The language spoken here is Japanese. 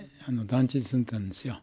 団地に住んでたんですよ。